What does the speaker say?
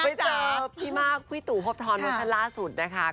ไปเจอพี่มากพี่ตู่พบทรเวอร์ชั่นล่าสุดนะคะ